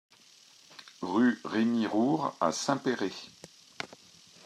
Rue Rémy Roure à Saint-Péray